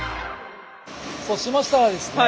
そうしましたらですね